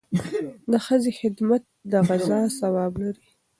د ښځې خدمت د غزا ثواب لري.